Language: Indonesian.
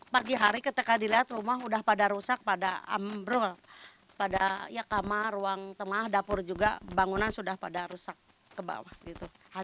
pagi hari ketika dilihat rumah sudah pada rusak pada ambrol pada kamar ruang tengah dapur juga bangunan sudah pada rusak ke bawah